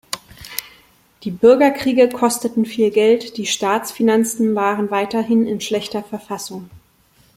Die Bürgerkriege kosteten viel Geld, die Staatsfinanzen waren weiterhin in schlechter Verfassung.